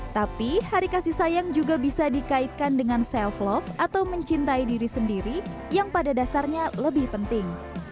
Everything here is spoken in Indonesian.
tapi hari kasih sayang juga bisa dikaitkan dengan self love atau mencintai diri sendiri yang pada dasarnya lebih penting